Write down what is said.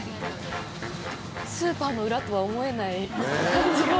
「スーパーのウラとは思えない感じが」